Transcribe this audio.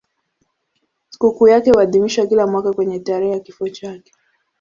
Sikukuu yake huadhimishwa kila mwaka kwenye tarehe ya kifo chake.